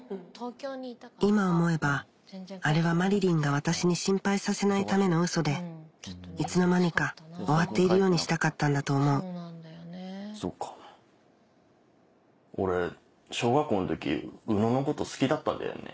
今思えばあれはまりりんが私に心配させないためのウソでいつの間にか終わっているようにしたかったんだと思う俺小学校の時宇野のこと好きだったんだよね。